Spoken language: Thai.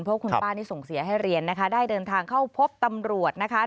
เพราะคุณป้านี่ส่งเสียให้เรียนนะคะได้เดินทางเข้าพบตำรวจนะคะ